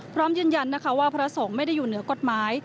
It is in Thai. พร้อมยืนยันนะคะว่าพระสงฆ์ไม่ได้อยู่เหนือกฎหมาย